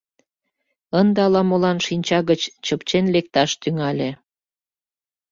Ынде ала-молан шинча гыч чыпчен лекташ тӱҥале.